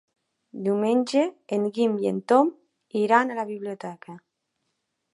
Diumenge en Guim i en Tom iran a la biblioteca.